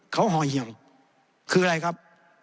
เขาห่อเหี่ยวคืออะไรครับ